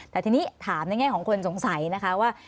แต่ทีนี้ถามในแง่ของคนสงสัยนะคะว่า